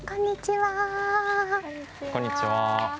こんにちは。